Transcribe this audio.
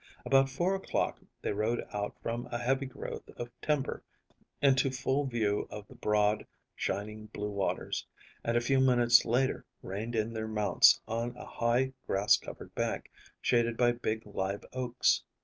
About four o'clock they rode out from a heavy growth of timber into full view of the broad, shining blue waters, and a few minutes later reined in their mounts on a high, grass covered bank, shaded by big live oaks.